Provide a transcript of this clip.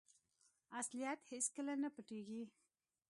اصلیت هیڅکله نه پټیږي.